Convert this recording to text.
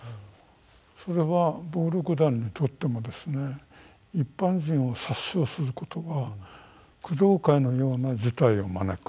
それは暴力団にとっても一般人を殺傷することが工藤会のような事態を招く。